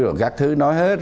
rồi các thứ nói hết rồi